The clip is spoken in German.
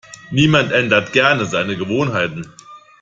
Niemand ändert gerne seine Gewohnheiten.